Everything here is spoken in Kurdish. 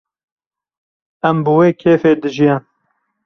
Em bi wê kêfê dijiyan